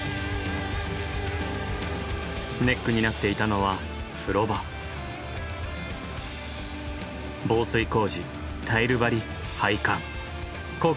ネックになっていたのは防水工事タイル張り配管。